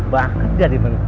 banget jadi benteng